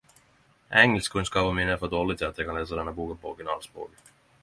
Engelskkunnskapane mine er for dårlege til at eg kan lese denne boka på originalspråket.